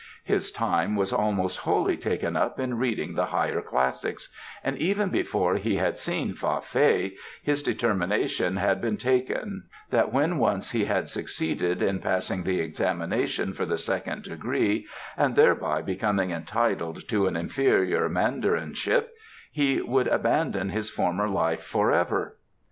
His time was almost wholly taken up in reading the higher Classics, and even before he had seen Fa Fei his determination had been taken that when once he had succeeded in passing the examination for the second degree and thereby become entitled to an inferior mandarinship he would abandon his former life forever.